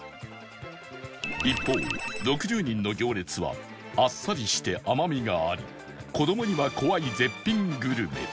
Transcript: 一方６０人の行列はあっさりして甘みがあり子どもには怖い絶品グルメ